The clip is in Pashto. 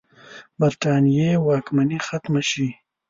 برټانیې واکمني ختمه شي.